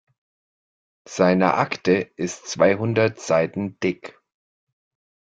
Seine Akte ist zweihundert Seiten dick.